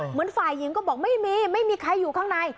เหมือนฝ่ายหญิงก็บอกไม่มีไม่มีใครอยู่ข้างใน